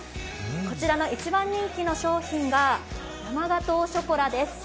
こちらの一番人気の商品が生ガトーショコラです。